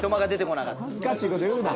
恥ずかしいこと言うな。